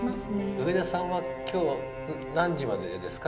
上田さんは今日は何時までですか？